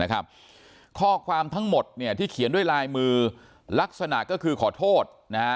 ข้อความทั้งหมดที่เขียนด้วยลายมือลักษณะก็คือขอโทษนะฮะ